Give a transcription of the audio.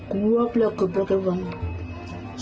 gua belok beloknya banget